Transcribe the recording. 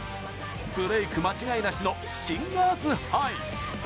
ブレーク間違いなしのシンガーズハイ。